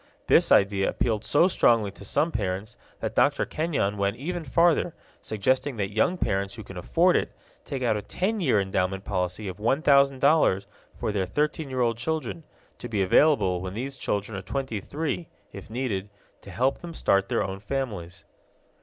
This idea appealed so strongly to some parents that Dr. Kenyon went even further, suggesting that young parents who can afford it take out a ten year endowment policy of $1000 for their thirteen year old children, to be available when these children are twenty three, if needed, to help them start their own families.